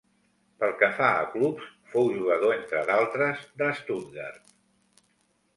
Pel que fa a clubs, fou jugador, entre d'altres, de Stuttgart.